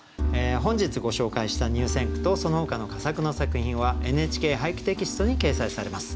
本日ご紹介した入選句とそのほかの佳作の作品は「ＮＨＫ俳句」テキストに掲載されます。